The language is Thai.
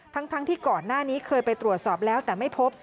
ทั้งที่ก่อนหน้านี้เคยไปตรวจสอบแล้วแต่ไม่พบ